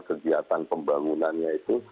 kegiatan pembangunannya itu